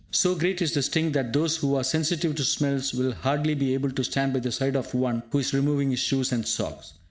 So great is the stink that those who are sensitive to smells will hardly be able to stand by the side of one who is removing his shoes and socks.